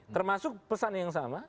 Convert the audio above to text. termasuk pesan yang sama